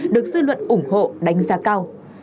được dư luận ủng hộ đánh giá cao